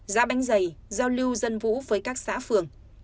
ra bánh giày giao lưu dân vũ với các xã phường